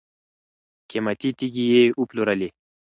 قیمتي تیږي یې وپلورلې.